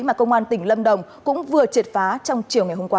mà công an tỉnh lâm đồng cũng vừa triệt phá trong chiều ngày hôm qua